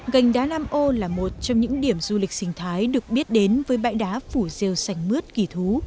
gành đá nam ô là một trong những điểm du lịch sinh thái được biết đến với bãi đá phủ rêu sành mướt kỳ thú